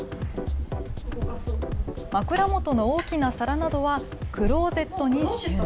枕元の大きな皿などはクローゼットに収納。